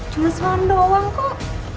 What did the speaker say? cuma selama doang kok